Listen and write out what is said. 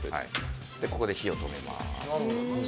ここで火を止めます。